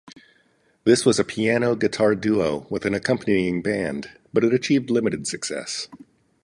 This was a piano-guitar duo with an accompanying band, but it achieved limited success.